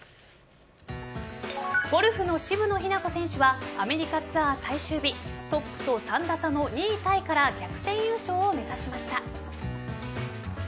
ゴルフの渋野日向子選手はアメリカツアー最終日トップと３打差の２位タイから逆転優勝を目指しました。